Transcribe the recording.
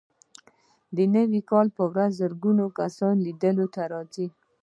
د نوي کال په ورځ په زرګونه کسان لیدو ته راځي.